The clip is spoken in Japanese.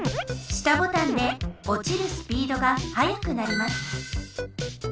下ボタンでおちるスピードがはやくなります。